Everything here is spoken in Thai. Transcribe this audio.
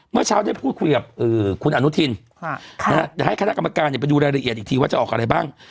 เมื่อเช้าได้พูดคุยกับคุณอนุทินเดี๋ยวให้คณะกรรมการไปดูรายละเอียดอีกทีว่าจะออกอะไรบ้าง